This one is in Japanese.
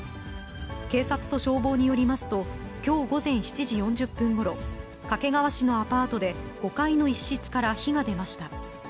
警察と消防によりますと、きょう午前７時４０分ごろ、掛川市のアパートで５階の一室から火が出ました。